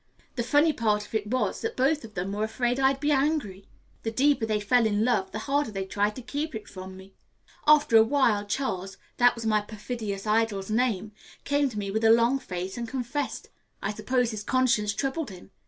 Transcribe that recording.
The funny part of it was that both of them were afraid I'd be angry. The deeper they fell in love, the harder they tried to keep it from me. After a while Charles, that was my perfidious idol's name, came to me with a long face and confessed. I suppose his conscience troubled him.